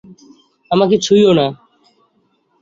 আমাকে ছুইও না।